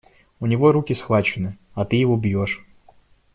У него руки схвачены, а ты его бьешь.